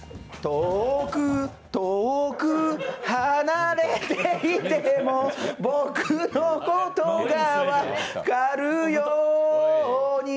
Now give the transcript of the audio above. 遠く遠く離れていても僕のことが分かるように。